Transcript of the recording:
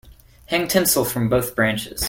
Hang tinsel from both branches.